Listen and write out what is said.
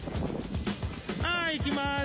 はい行きます！